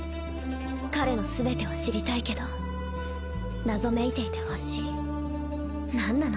彼の全てを知りたいけど謎めいていてほしい。何なの？